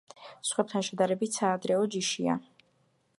სხვებთან შედარებით საადრეო ჯიშია.